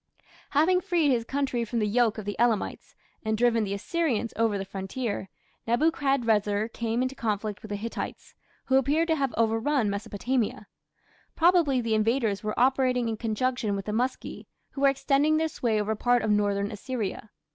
Having freed his country from the yoke of the Elamites, and driven the Assyrians over the frontier, Nebuchadrezzar came into conflict with the Hittites, who appear to have overrun Mesopotamia. Probably the invaders were operating in conjunction with the Muski, who were extending their sway over part of northern Assyria.